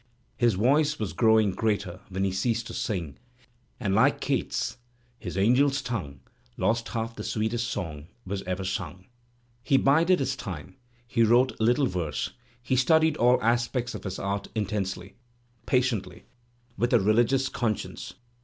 His voice was growing greater when he ceased to sing, and, like Keats, his angel's tongue Lost half the sweetest song was ever simg. He bided his time, he wrote little verse, he studied all aspects of his art intensely, patiently, with a religious Digitized by Google LANIER SIS consdenoe.